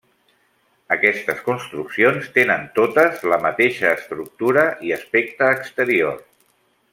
Aquestes construccions tenen totes la mateixa estructura i aspecte exterior.